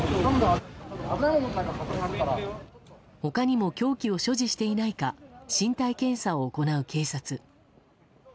他にも凶器を所持していないか身体検査を行う警察。